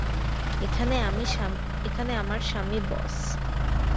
এখানে আমার স্বামী বস।